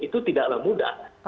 itu tidaklah mudah